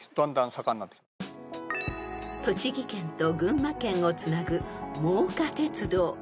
［栃木県と群馬県をつなぐ真岡鐵道］